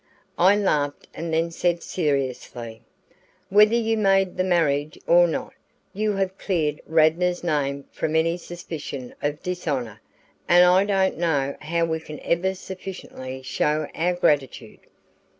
I laughed and then said seriously: "Whether you made the marriage or not, you have cleared Radnor's name from any suspicion of dishonor, and I don't know how we can ever sufficiently show our gratitude."